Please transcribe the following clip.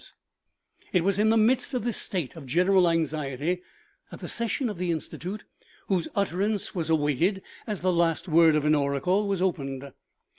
39 It was in the midst of this state of general anxiety that the session of the Institute, whose utterance was awaited as the last word of an oracle, was opened.